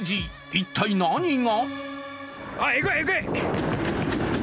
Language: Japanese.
一体何が？